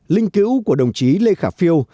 linh cứu của đồng chí lê khả phiêu